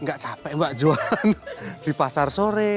nggak capek mbak jualan di pasar sore